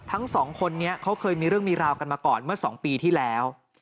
ทั้งสองคนนี้เขาเคยมีเรื่องมีราวกันมาก่อนเมื่อ๒ปีที่แล้ว